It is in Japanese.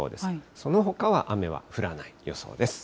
そのほかは雨は降らない予想です。